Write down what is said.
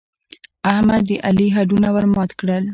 احمد د علي هډونه ور مات کړل.